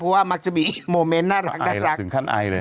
เพราะว่ามักจะมีโมเมนต์น่ารักถึงขั้นไอเลย